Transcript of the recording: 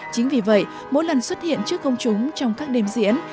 chính vì vậy mỗi lần xuất hiện trước công chúng trong các đêm diễn